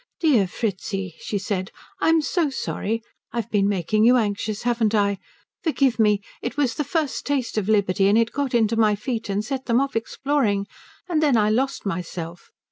"Dear Fritzi," she said, "I'm so sorry. I've been making you anxious, haven't I? Forgive me it was the first taste of liberty, and it got into my feet and set them off exploring, and then I lost myself.